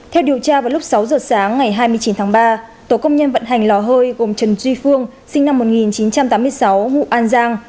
theo điều tra vào lúc sáu giờ sáng ngày hai mươi chín tháng ba tổ công nhân vận hành lò hơi gồm trần duy phương sinh năm một nghìn chín trăm tám mươi sáu ngụ an giang